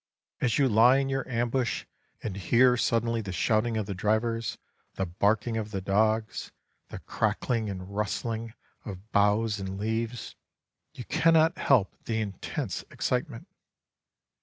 As you lie in your ambush and hear suddenly the shouting of the drivers, the barking of the dogs, the crackling and rustling of boughs and leaves, you cannot help the intense excitement.